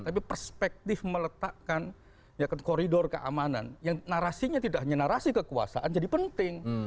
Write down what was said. tapi perspektif meletakkan koridor keamanan yang narasinya tidak hanya narasi kekuasaan jadi penting